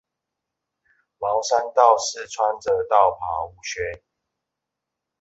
茅山道士穿著道袍烏靴